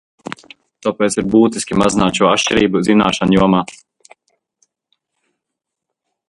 Tāpēc ir būtiski mazināt šo atšķirību zināšanu jomā.